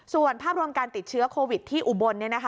ส่วนภาพรวมการติดเชื้อโควิดที่อุบล